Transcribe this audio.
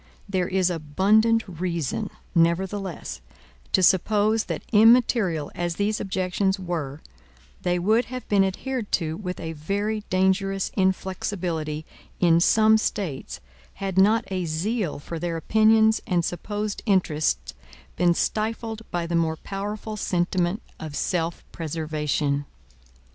There is abundant reason, nevertheless, to suppose that immaterial as these objections were, they would have been adhered to with a very dangerous inflexibility, in some States, had not a zeal for their opinions and supposed interests been stifled by the more powerful sentiment of self preservation.